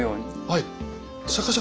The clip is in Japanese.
はい。